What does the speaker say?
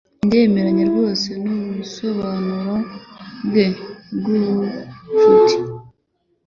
Ndemeranya rwose nubusobanuro bwe bwubucuti.